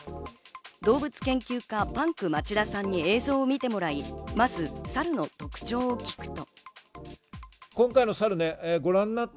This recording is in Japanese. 動物研究家のパンク町田さんに映像を見てもらいまずサルの特徴を聞くと。